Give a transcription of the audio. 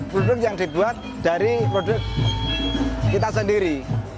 produk yang dibuat dari produk kita sendiri